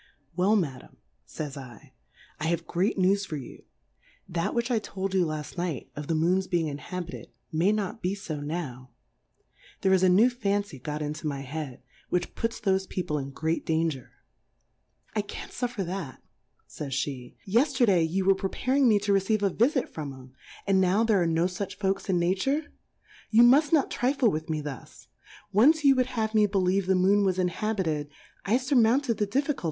Well, Madam, fays 7, I have great News for you ; that which I told you laft Night, of the Moon's being inhabi ted Plurality (7/ WORLDS. 71 ted, may not be fo now : Tliere is a new Fancy got into my Head, which puts thoie People in great Danger. I can't luffer that, fo'sfi^', Yciterday you were preparing me to receive a Vilit from 'em, and now there ai*e no fuch Folks in Nacure: You mail not trifle wiih me thus ; once you would have me believe the Moon was inhabit erl , I liirmounted the DhUcul.